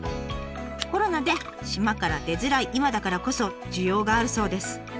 コロナで島から出づらい今だからこそ需要があるそうです。